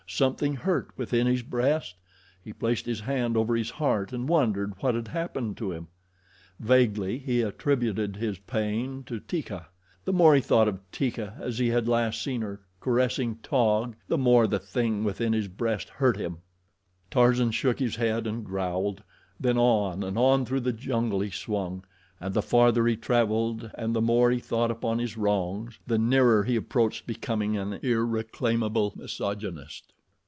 Something hurt within his breast. He placed his hand over his heart and wondered what had happened to him. Vaguely he attributed his pain to Teeka. The more he thought of Teeka as he had last seen her, caressing Taug, the more the thing within his breast hurt him. Tarzan shook his head and growled; then on and on through the jungle he swung, and the farther he traveled and the more he thought upon his wrongs, the nearer he approached becoming an irreclaimable misogynist.